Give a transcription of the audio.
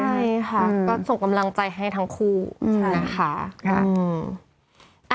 ใช่ค่ะก็ส่งกำลังใจให้ทั้งคู่นะคะ